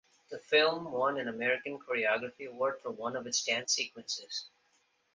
The film won an American Choreography Award for one of its dance sequences.